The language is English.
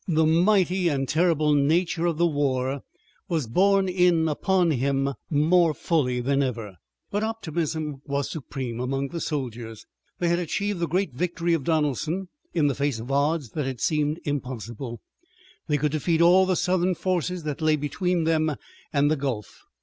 The mighty and terrible nature of the war was borne in upon him more fully than ever. But optimism was supreme among the soldiers. They had achieved the great victory of Donelson in the face of odds that had seemed impossible. They could defeat all the Southern forces that lay between them and the Gulf.